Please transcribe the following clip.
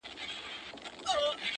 چې له ده سره تړاو نهلري